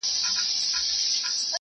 یو په یو به را نړیږي معبدونه د بُتانو